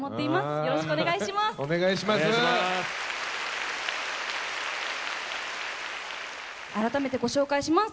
よろしくお願いします！